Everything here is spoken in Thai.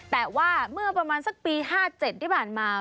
แต่ว่าเมื่อประมาณสักปี๕๗ที่ผ่านมา